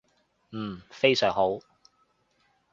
嗯，非常好